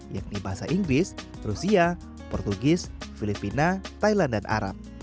yakni bahasa inggris rusia portugis filipina thailand dan arab